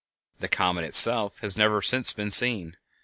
The comet itself has never since been seen.